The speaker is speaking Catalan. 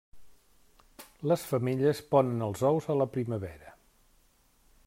Les femelles ponen els ous a la primavera.